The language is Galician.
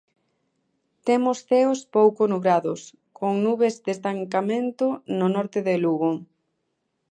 Temos ceos pouco nubrados, con nubes de estancamento no norte de Lugo.